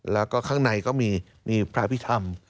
แล้วก็ข้างในก็มีพระพิธรรม